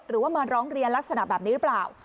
หรือว่ามาร้องเรียนลักษณะแบบนี้หรือเปล่า